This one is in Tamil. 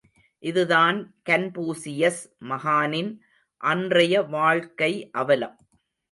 இதுதான் கன்பூசியஸ் மகானின் அன்றைய வாழ்க்கை அவலம்.